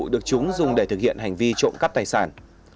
được chúng dùng để thực hiện hành vi trộm cắp tài sản